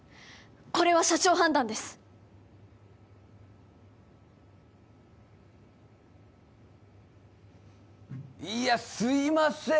これは社長判断ですいやすいません